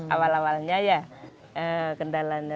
awal awalnya ya kendalanya